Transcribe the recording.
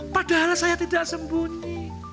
padahal saya tidak sembunyi